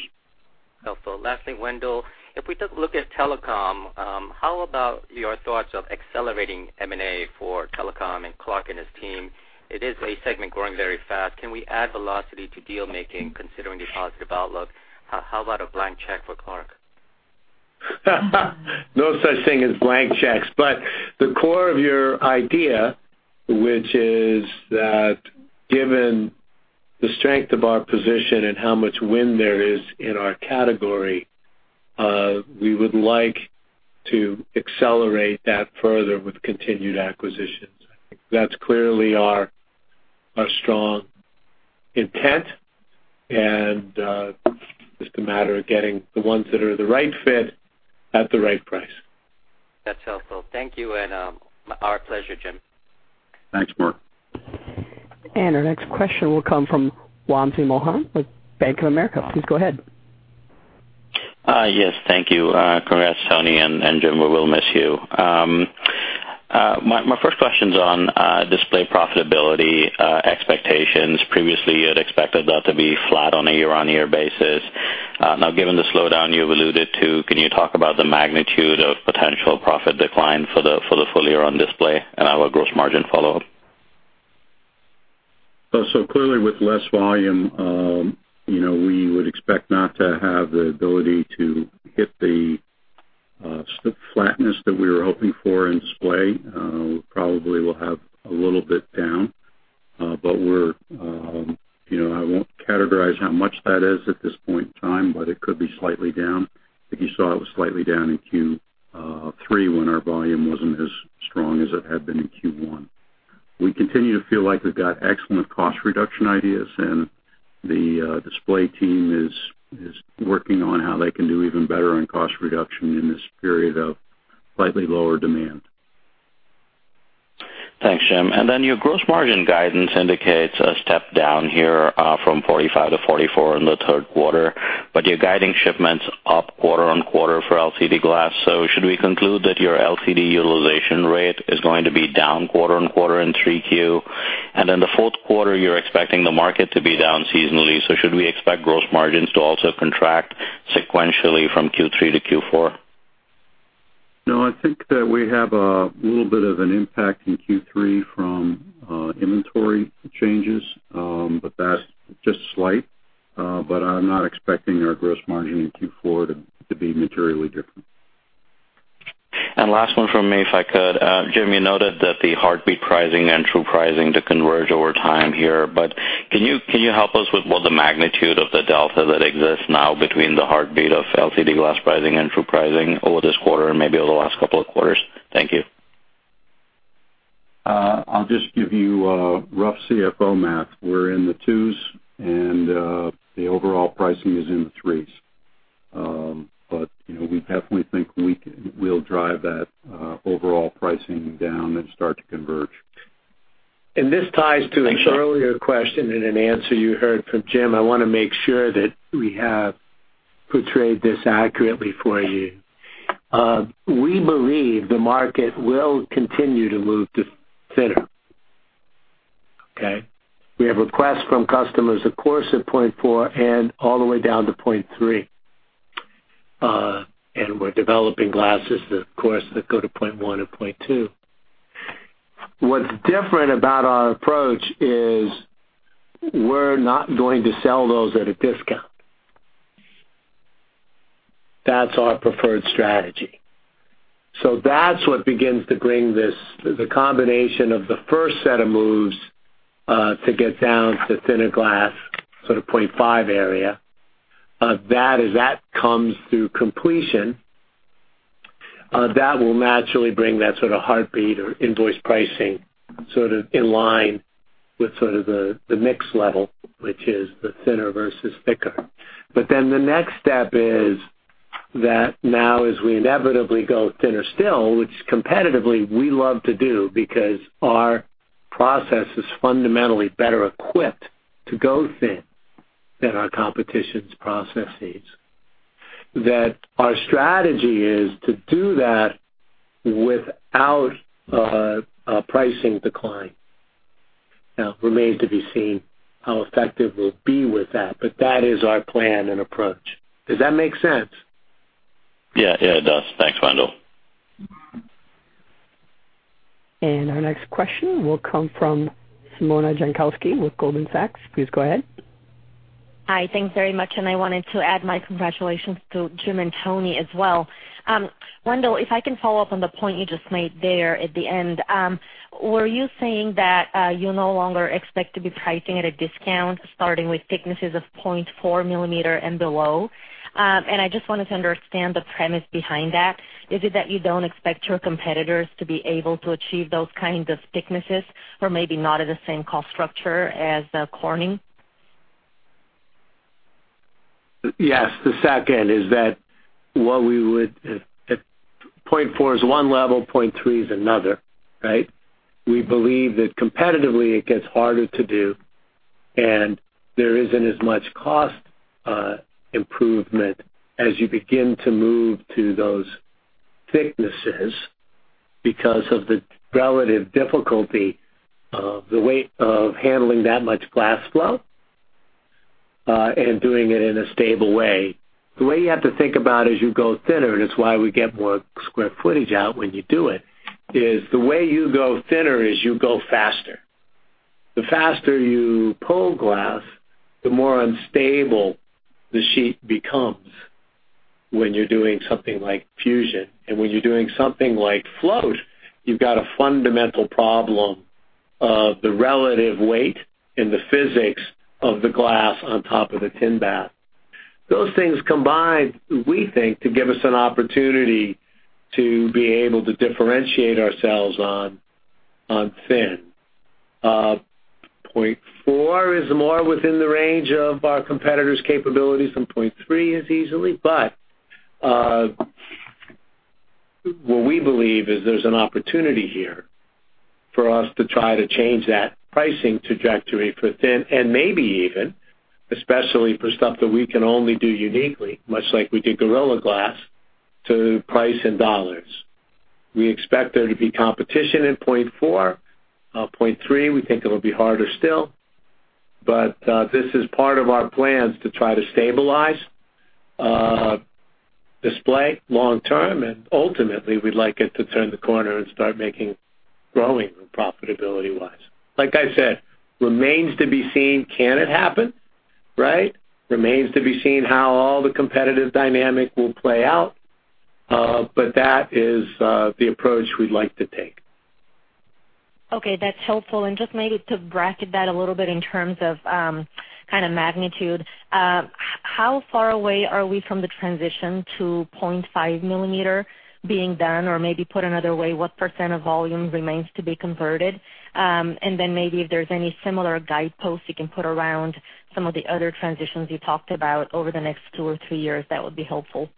S8: Helpful. Lastly, Wendell, if we took a look at telecom, how about your thoughts of accelerating M&A for telecom and Clark and his team? It is a segment growing very fast. Can we add velocity to deal-making considering the positive outlook? How about a blank check for Clark?
S5: No such thing as blank checks, but the core of your idea, which is that given the strength of our position and how much wind there is in our category, we would like to accelerate that further with continued acquisitions. I think that's clearly our strong intent, and just a matter of getting the ones that are the right fit at the right price.
S8: That's helpful. Thank you, and our pleasure, Jim.
S5: Thanks, Mark.
S1: Our next question will come from Wamsi Mohan with Bank of America. Please go ahead.
S9: Yes, thank you. Congrats, Tony, and Jim, we will miss you. My first question's on Display profitability expectations. Previously, you had expected that to be flat on a year-on-year basis. Now, given the slowdown you've alluded to, can you talk about the magnitude of potential profit decline for the full year on Display, and I have a gross margin follow-up.
S3: Clearly with less volume, we would expect not to have the ability to hit the flatness that we were hoping for in Display probably will have a little bit down. I won't categorize how much that is at this point in time, it could be slightly down. You saw it was slightly down in Q3 when our volume wasn't as strong as it had been in Q1. We continue to feel like we've got excellent cost reduction ideas, and the Display team is working on how they can do even better on cost reduction in this period of slightly lower demand.
S9: Thanks, Jim. Your gross margin guidance indicates a step down here from 45 to 44 in the third quarter, you're guiding shipments up quarter on quarter for LCD glass. Should we conclude that your LCD utilization rate is going to be down quarter on quarter in 3Q? In the fourth quarter, you're expecting the market to be down seasonally, should we expect gross margins to also contract sequentially from Q3 to Q4?
S3: No, I think that we have a little bit of an impact in Q3 from inventory changes, but that's just slight. I'm not expecting our gross margin in Q4 to be materially different.
S9: Last one from me, if I could. Jim, you noted that the heartbeat pricing and true pricing to converge over time here, but can you help us with what the magnitude of the delta that exists now between the heartbeat of LCD glass pricing and true pricing over this quarter and maybe over the last couple of quarters? Thank you.
S3: I'll just give you a rough CFO math. We're in the twos, and the overall pricing is in the threes. We definitely think we'll drive that overall pricing down and start to converge.
S5: This ties to an earlier question and an answer you heard from Jim. I want to make sure that we have portrayed this accurately for you. We believe the market will continue to move to thinner. Okay. We have requests from customers, of course, at .4 and all the way down to .3. We're developing glasses, of course, that go to .1 and .2. What's different about our approach is we're not going to sell those at a discount. That's our preferred strategy. That's what begins to bring this, the combination of the first set of moves to get down to thinner glass, sort of .5 area. That comes through completion. That will naturally bring that sort of heartbeat or invoice pricing sort of in line with sort of the mix level, which is the thinner versus thicker. The next step is that now as we inevitably go thinner still, which competitively we love to do because our process is fundamentally better equipped to go thin than our competition's processes. That our strategy is to do that without a pricing decline. Remains to be seen how effective we'll be with that, but that is our plan and approach. Does that make sense?
S9: Yeah, it does. Thanks, Wendell.
S1: Our next question will come from Simona Jankowski with Goldman Sachs. Please go ahead.
S10: Hi. Thanks very much. I wanted to add my congratulations to Jim and Tony as well. Wendell, if I can follow up on the point you just made there at the end. Were you saying that you no longer expect to be pricing at a discount, starting with thicknesses of 0.4 millimeter and below? I just wanted to understand the premise behind that. Is it that you don't expect your competitors to be able to achieve those kinds of thicknesses or maybe not at the same cost structure as Corning?
S5: Yes. If 0.4 is one level, 0.3 is another, right? We believe that competitively it gets harder to do, and there isn't as much cost improvement as you begin to move to those thicknesses because of the relative difficulty of the weight of handling that much glass flow, and doing it in a stable way. The way you have to think about as you go thinner, and it's why we get more square footage out when you do it, is the way you go thinner is you go faster. The faster you pull glass, the more unstable the sheet becomes when you're doing something like fusion. When you're doing something like float, you've got a fundamental problem of the relative weight and the physics of the glass on top of the tin bath. Those things combine, we think, to give us an opportunity to be able to differentiate ourselves on thin. 0.4 is more within the range of our competitors' capabilities than 0.3 is easily. What we believe is there's an opportunity here for us to try to change that pricing trajectory for thin and maybe even, especially for stuff that we can only do uniquely, much like we did Gorilla Glass to price in U.S. dollars. We expect there to be competition in 0.4. 0.3, we think it will be harder still. This is part of our plans to try to stabilize Display long term, and ultimately we'd like it to turn the corner and start growing profitability-wise. Like I said, remains to be seen, can it happen?
S11: Right. Remains to be seen how all the competitive dynamic will play out, but that is the approach we'd like to take.
S10: Okay. That's helpful. Just maybe to bracket that a little bit in terms of magnitude, how far away are we from the transition to 0.5 millimeter being done? Or maybe put another way, what % of volume remains to be converted? Then maybe if there's any similar guideposts you can put around some of the other transitions you talked about over the next two or three years, that would be helpful.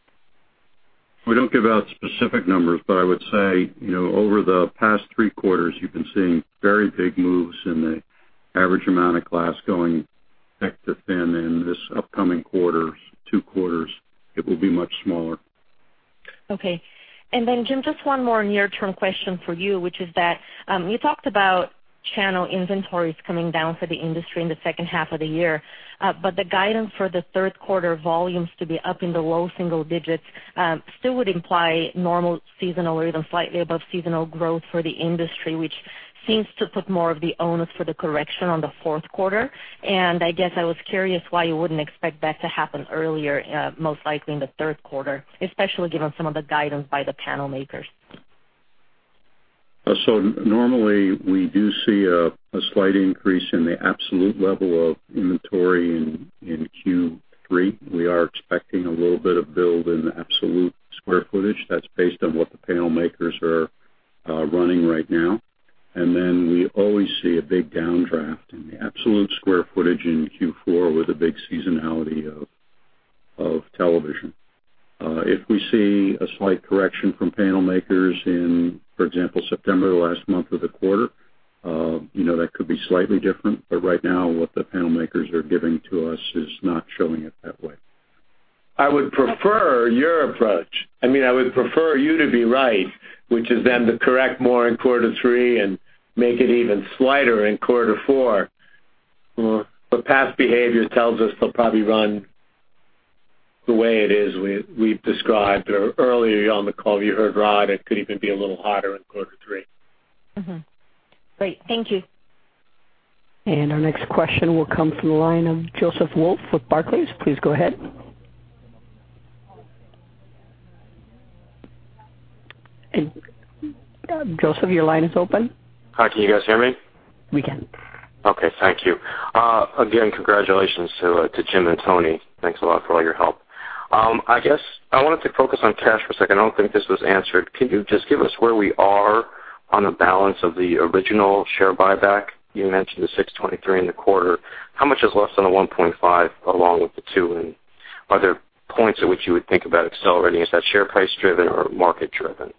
S3: We don't give out specific numbers, but I would say, over the past three quarters, you've been seeing very big moves in the average amount of glass going thick to thin, and in this upcoming two quarters, it will be much smaller.
S10: Okay. Jim, just one more near-term question for you, which is that you talked about channel inventories coming down for the industry in the second half of the year. The guidance for the third quarter volumes to be up in the low single digits still would imply normal, seasonal, or even slightly above seasonal growth for the industry, which seems to put more of the onus for the correction on the fourth quarter. I guess I was curious why you wouldn't expect that to happen earlier, most likely in the third quarter, especially given some of the guidance by the panel makers.
S3: Normally, we do see a slight increase in the absolute level of inventory in Q3. We are expecting a little bit of build in the absolute square footage that's based on what the panel makers are running right now. We always see a big downdraft in the absolute square footage in Q4 with the big seasonality of television. If we see a slight correction from panel makers in, for example, September, last month of the quarter, that could be slightly different. Right now, what the panel makers are giving to us is not showing it that way.
S11: I would prefer your approach. I would prefer you to be right, which is then to correct more in quarter three and make it even slighter in quarter four. Past behavior tells us they'll probably run the way it is we've described. Earlier on the call, you heard Rod, it could even be a little hotter in quarter three.
S10: Great. Thank you.
S1: Our next question will come from the line of Joseph Wolf with Barclays. Please go ahead. Joseph, your line is open.
S12: Hi, can you guys hear me?
S1: We can.
S12: Okay. Thank you. Again, congratulations to Jim and Tony. Thanks a lot for all your help. I wanted to focus on cash for a second. I do not think this was answered. Can you just give us where we are on the balance of the original share buyback? You mentioned the $623 in the quarter. How much is less than $1.5 along with the $2, and are there points at which you would think about accelerating? Is that share price driven or market driven?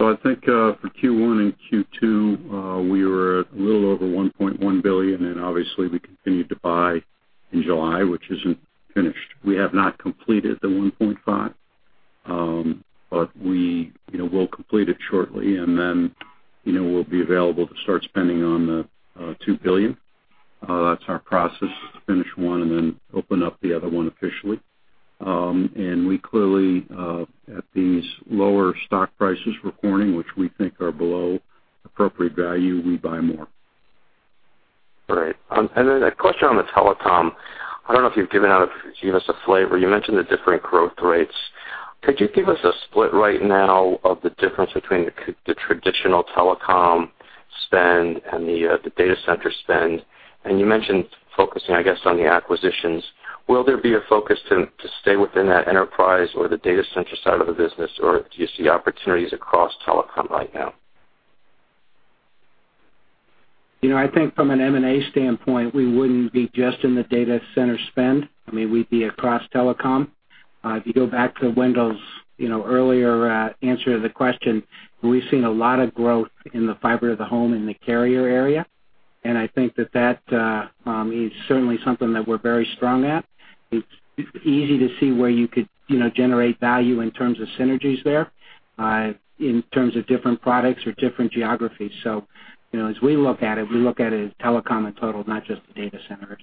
S3: I think, for Q1 and Q2, we were at a little over $1.1 billion, and obviously, we continued to buy in July, which is not finished. We have not completed the $1.5, but we will complete it shortly, and then we will be available to start spending on the $2 billion. That is our process, finish one and then open up the other one officially. We clearly, at these lower stock prices for Corning, which we think are below appropriate value, we buy more.
S12: Great. A question on the telecom. I do not know if you have given us a flavor. You mentioned the different growth rates. Could you give us a split right now of the difference between the traditional telecom spend and the data center spend? You mentioned focusing, I guess, on the acquisitions. Will there be a focus to stay within that enterprise or the data center side of the business, or do you see opportunities across telecom right now?
S11: I think from an M&A standpoint, we would not be just in the data center spend. We would be across telecom. If you go back to Wendell's earlier answer to the question, we have seen a lot of growth in the fiber to the home in the carrier area, and I think that that is certainly something that we are very strong at. It is easy to see where you could generate value in terms of synergies there, in terms of different products or different geographies. As we look at it, we look at it as telecom in total, not just the data centers.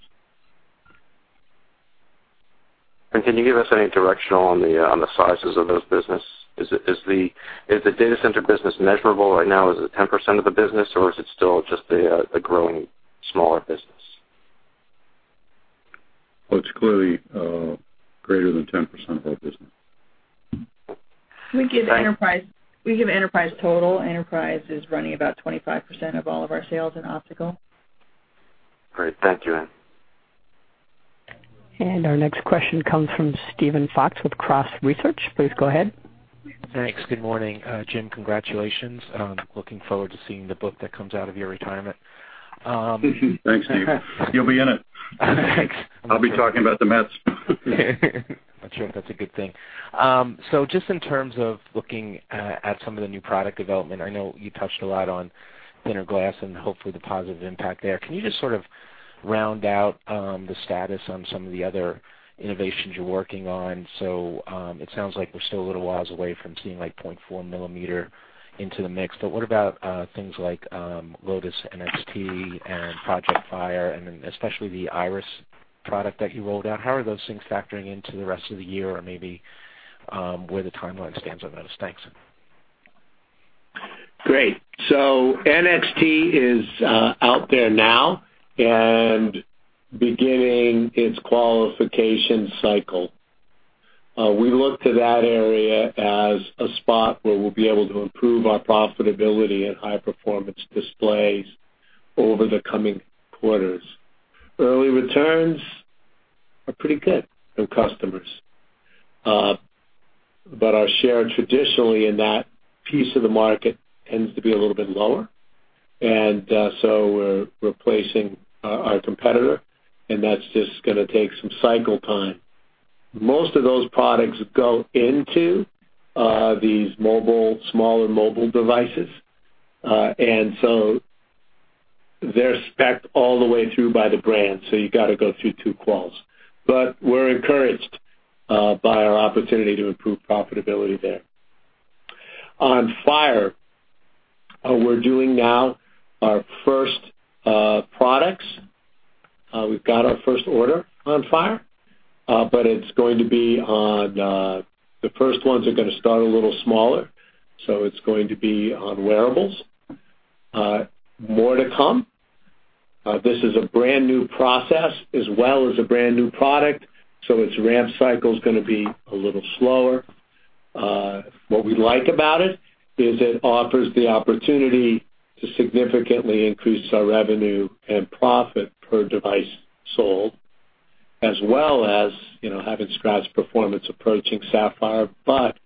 S12: Can you give us any directional on the sizes of those business? Is the data center business measurable right now? Is it 10% of the business, or is it still just a growing smaller business?
S3: Well, it's clearly greater than 10% of our business.
S11: We give enterprise total. Enterprise is running about 25% of all of our sales in optical.
S12: Great. Thank you.
S1: Our next question comes from Steven Fox with Cross Research. Please go ahead.
S13: Thanks. Good morning. Jim, congratulations. Looking forward to seeing the book that comes out of your retirement.
S3: Thanks, Steve. You'll be in it.
S13: Thanks.
S11: I'll be talking about the Mets.
S13: Not sure if that's a good thing. Just in terms of looking at some of the new product development, I know you touched a lot on thinner glass and hopefully the positive impact there. Can you just sort of round out the status on some of the other innovations you're working on? It sounds like we're still a little ways away from seeing 0.4 millimeter into the mix, but what about things like Lotus NXT and Project Phire, and then especially the Iris product that you rolled out. How are those things factoring into the rest of the year or maybe where the timeline stands on those? Thanks.
S5: Great. NXT is out there now and beginning its qualification cycle. We look to that area as a spot where we'll be able to improve our profitability in high-performance displays over the coming quarters. Early returns are pretty good from customers. Our share traditionally in that piece of the market tends to be a little bit lower. We're replacing our competitor, and that's just going to take some cycle time. Most of those products go into these smaller mobile devices, they're specced all the way through by the brand, so you got to go through two quals. We're encouraged by our opportunity to improve profitability there. On Phire, we're doing now our first products. We've got our first order on Phire. The first ones are going to start a little smaller, so it's going to be on wearables. More to come. This is a brand-new process as well as a brand-new product, so its ramp cycle's going to be a little slower. What we like about it is it offers the opportunity to significantly increase our revenue and profit per device sold, as well as having scratch performance approaching Sapphire, but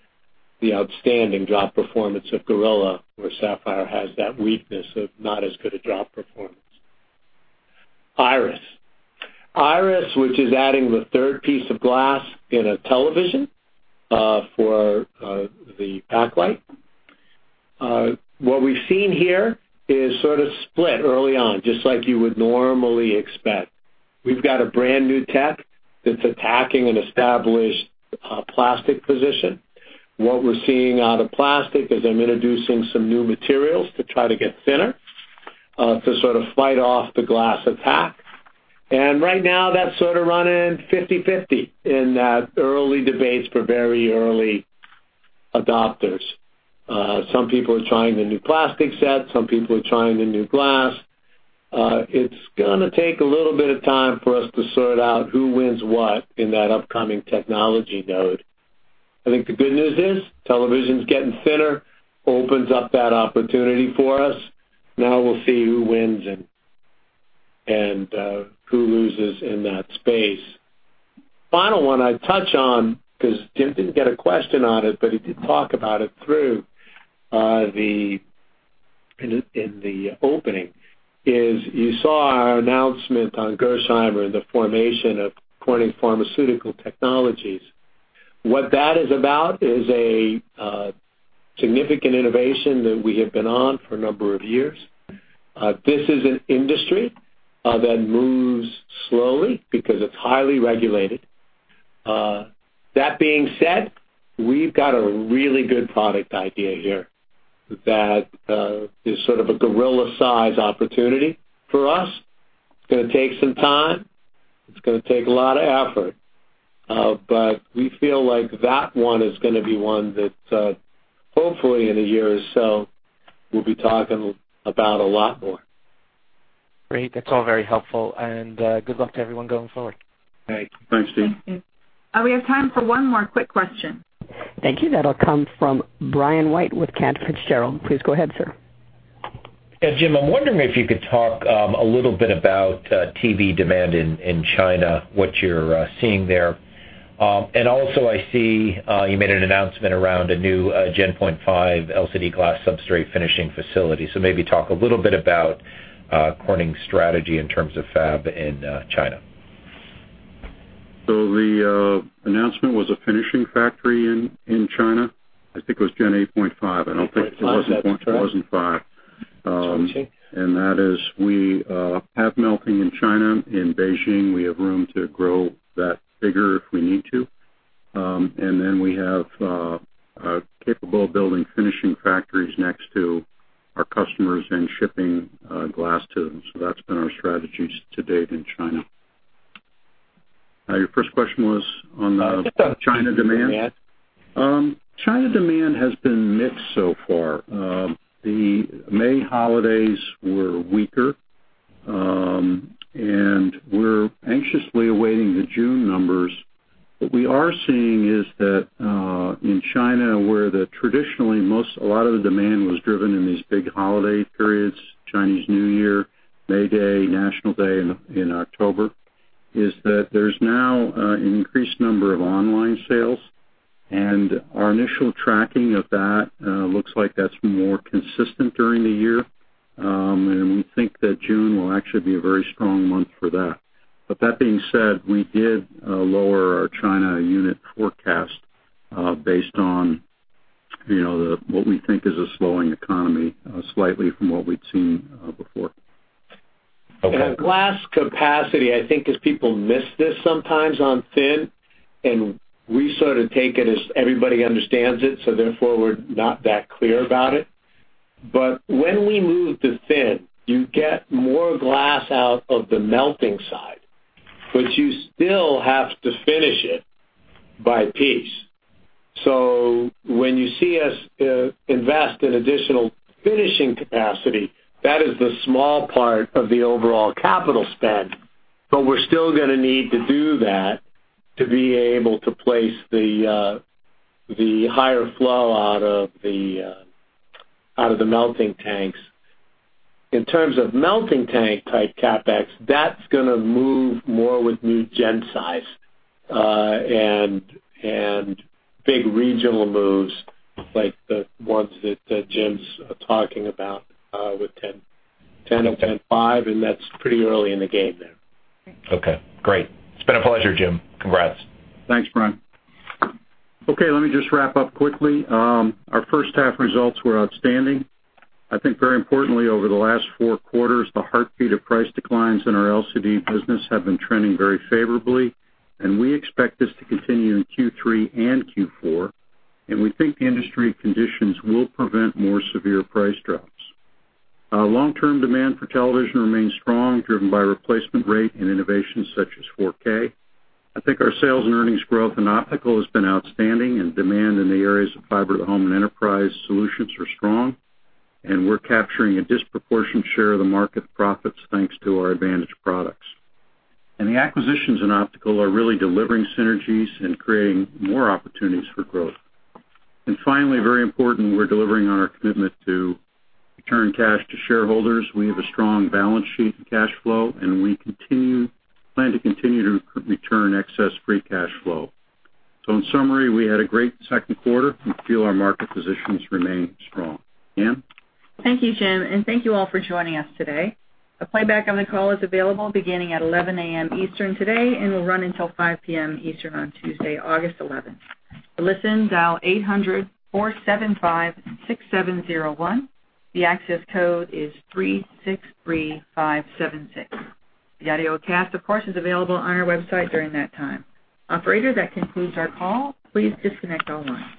S5: the outstanding drop performance of Gorilla, where Sapphire has that weakness of not as good a drop performance. Iris. Iris, which is adding the third piece of glass in a television for the backlight. What we've seen here is sort of split early on, just like you would normally expect. We've got a brand-new tech that's attacking an established plastic position. What we're seeing out of plastic is them introducing some new materials to try to get thinner, to sort of fight off the glass attack. Right now, that's sort of running 50/50 in that early debates for very early adopters. Some people are trying the new plastic set, some people are trying the new glass. It's gonna take a little bit of time for us to sort out who wins what in that upcoming technology node. I think the good news is television's getting thinner, opens up that opportunity for us. Now we'll see who wins and who loses in that space. Final one I touch on, because Jim didn't get a question on it, but he did talk about it in the opening, is you saw our announcement on Gerresheimer and the formation of Corning Pharmaceutical Technologies. What that is about is a significant innovation that we have been on for a number of years. This is an industry that moves slowly because it's highly regulated. That being said, we've got a really good product idea here that is sort of a Gorilla-size opportunity for us. It's going to take some time. It's going to take a lot of effort. We feel like that one is going to be one that hopefully in a year or so we'll be talking about a lot more.
S13: Great. That's all very helpful, good luck to everyone going forward.
S5: Thanks.
S3: Thanks, Steve.
S2: We have time for one more quick question.
S1: Thank you. That'll come from Brian White with Cantor Fitzgerald. Please go ahead, sir.
S14: Yeah. Jim, I'm wondering if you could talk a little bit about TV demand in China, what you're seeing there. I see you made an announcement around a new Gen 5 LCD glass substrate finishing facility. Maybe talk a little bit about Corning's strategy in terms of fab in China.
S3: The announcement was a finishing factory in China. I think it was Gen 8.5. I don't think it was 5. That is we have melting in China, in Beijing. We have Let me just wrap up quickly. Our first half results were outstanding. Very importantly, over the last four quarters, the heartbeat of price declines in our LCD business have been trending very favorably, and we expect this to continue in Q3 and Q4, and we think the industry conditions will prevent more severe price drops. Our long-term demand for television remains strong, driven by replacement rate and innovations such as 4K. Our sales and earnings growth in Optical has been outstanding, and demand in the areas of fiber to home and enterprise solutions are strong, and we're capturing a disproportionate share of the market profits, thanks to our advantage products. The acquisitions in Optical are really delivering synergies and creating more opportunities for growth. Finally, very important, we're delivering on our commitment to return cash to shareholders. We have a strong balance sheet and cash flow, and we plan to continue to return excess free cash flow. In summary, we had a great second quarter and feel our market positions remain strong. Ann?
S2: Thank you, Jim. Thank you all for joining us today. A playback on the call is available beginning at 11:00 A.M. Eastern today and will run until 5:00 P.M. Eastern on Tuesday, August 11th. To listen, dial 800-475-6701. The access code is 363576. The audio cast, of course, is available on our website during that time. Operator, that concludes our call. Please disconnect all lines.